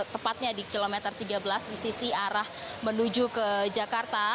tepatnya di kilometer tiga belas di sisi arah menuju ke jakarta